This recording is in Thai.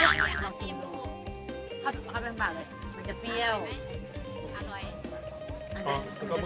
อร่อยเหมือนกัน